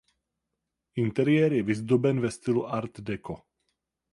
Interiér je vyzdoben ve stylu art deco.